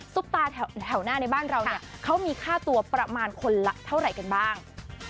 ซุปตาแถวหน้าในบ้านเรามีค่าตัวประมาณคนละเท่าไรกันบ้าง